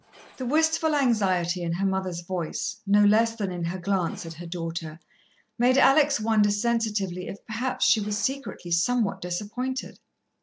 The wistful anxiety in her mother's voice, no less than in her glance at her daughter, made Alex wonder sensitively if, perhaps, she were secretly somewhat disappointed.